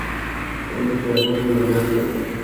تو ان چہروں کی وجہ سے۔